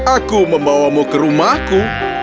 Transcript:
aku membawamu ke rumahku